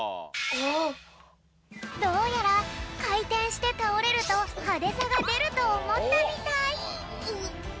どうやらかいてんしてたおれるとハデさがでるとおもったみたい。